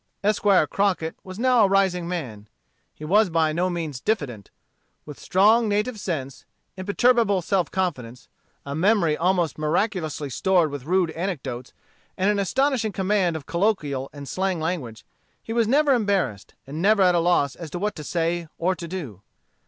Esquire Crockett was now a rising man. He was by no means diffident. With strong native sense, imperturbable self confidence, a memory almost miraculously stored with rude anecdotes, and an astonishing command of colloquial and slang language, he was never embarrassed, and never at a loss as to what to say or to do.